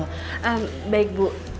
eh baik bu